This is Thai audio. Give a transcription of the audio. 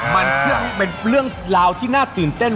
มันเป็นเรื่องราวที่น่าตื่นเต้น